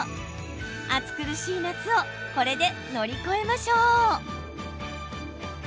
暑苦しい夏をこれで乗り越えましょう。